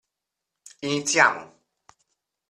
Iniziamo!